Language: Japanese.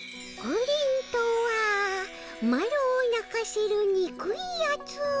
「プリンとはマロをなかせるにくいやつ。